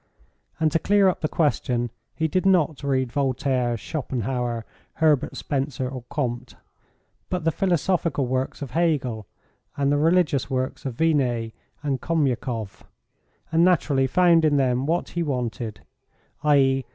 And to clear up the question he did not read Voltaire, Schopenhauer, Herbert Spencer, or Comte, but the philosophical works of Hegel and the religious works of Vinet and Khomyakoff, and naturally found in them what he wanted, i.e.